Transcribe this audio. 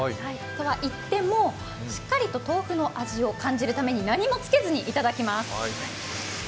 とはいっても、しっかりと豆腐の味を感じるために何もつけずにいただきます。